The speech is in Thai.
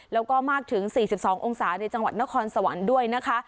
แล้วก็มากถึง๔๒องศาในจังหวัดนครสวรรค์ด้วยนะคะ